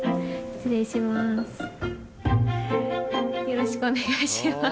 よろしくお願いします。